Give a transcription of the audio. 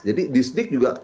jadi distrik juga